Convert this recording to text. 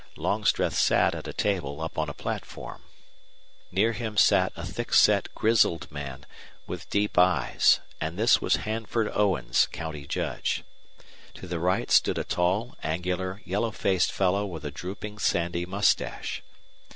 Longstreth sat at a table up on a platform. Near him sat a thick set grizzled man, with deep eyes, and this was Hanford Owens, county judge. To the right stood a tall, angular, yellow faced fellow with a drooping sandy mustache.